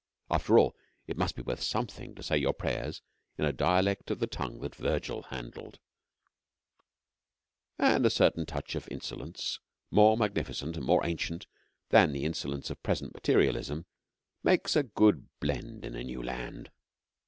After all, it must be worth something to say your prayers in a dialect of the tongue that Virgil handled; and a certain touch of insolence, more magnificent and more ancient than the insolence of present materialism, makes a good blend in a new land.